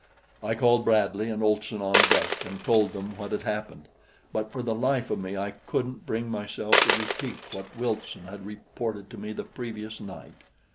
I called Bradley and Olson on deck and told them what had happened, but for the life of me I couldn't bring myself to repeat what Wilson had reported to me the previous night.